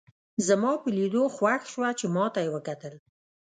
زما په لیدو خوښ شوه چې ما ته یې وکتل.